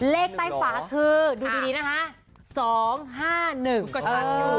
เลขใต้ฝาคือดูดีนะคะ